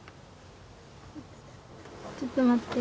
ちょっと待って。